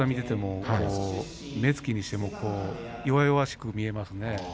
目つきにしても、弱々しく見えますね。